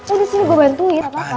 oh disini gue bantuin